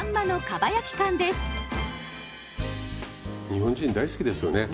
日本人大好きですよね。